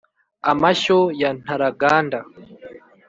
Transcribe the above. amashyo ya ntaraganda,